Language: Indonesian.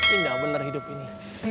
indah bener hidup ini